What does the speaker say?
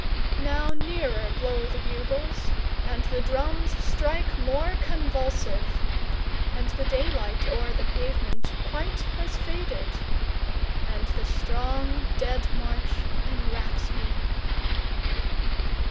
6Now nearer blow the bugles, And the drums strike more convulsive; And the day light o'er the pavement quite has faded, And the strong dead march enwraps me.